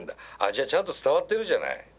じゃあちゃんと伝わってるじゃない。